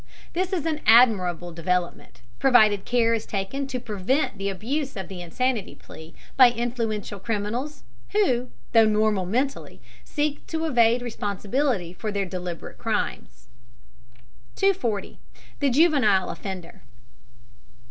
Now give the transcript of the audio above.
This is an admirable development, provided care is taken to prevent the abuse of the insanity plea by influential criminals who, though normal mentally, seek to evade responsibility for their deliberate crimes. 240. THE JUVENILE OFFENDER.